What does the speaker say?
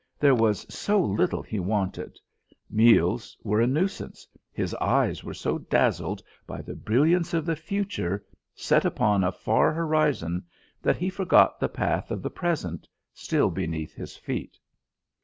There was so little he wanted; meals were a nuisance; his eyes were so dazzled by the brilliance of the future, set upon a far horizon, that he forgot the path of the present, still beneath his feet.